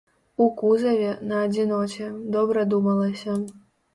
У кузаве, на адзіноце, добра думалася.